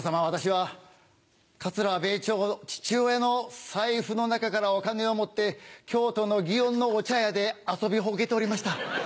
私は桂米朝父親の財布の中からお金を持って京都の園のお茶屋で遊びほうけておりました。